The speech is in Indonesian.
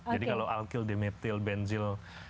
jadi kalau alkyl dimethylbenzila ammonium klorida